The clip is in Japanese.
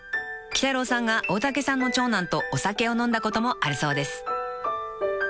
［きたろうさんが大竹さんの長男とお酒を飲んだこともあるそうです］